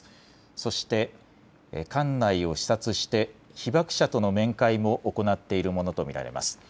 そして館内を視察して被爆者との面会も行っているものと見られます。